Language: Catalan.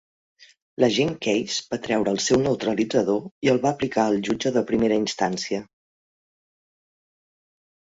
L'agent Keys va treure el seu neuralitzador i el va aplicar al jutge de primera instància.